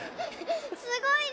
すごいね！